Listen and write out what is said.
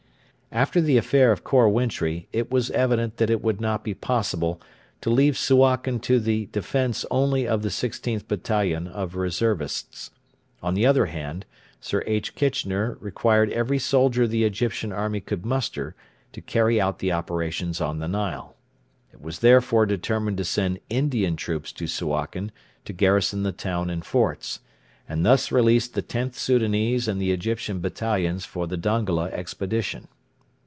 After the affair of Khor Wintri it was evident that it would not be possible to leave Suakin to the defence only of the 16th Battalion of reservists. On the other hand, Sir H. Kitchener required every soldier the Egyptian army could muster to carry out the operations on the Nile. It was therefore determined to send Indian troops to Suakin to garrison the town and forts, and thus release the Xth Soudanese and the Egyptian battalions for the Dongola Expedition.